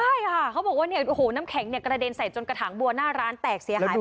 ใช่ค่ะเขาบอกว่าเนี่ยโอ้โหน้ำแข็งเนี่ยกระเด็นใส่จนกระถางบัวหน้าร้านแตกเสียหาย